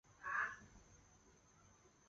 在第二届美国国会。